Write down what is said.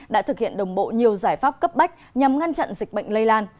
đã thực hiện đồng bộ nhiều giải pháp cấp bách nhằm ngăn chặn dịch bệnh lây lan